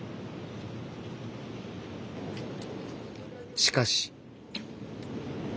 しかし。